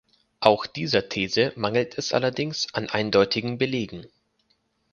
Auch dieser These mangelt es allerdings an an eindeutigen Belegen.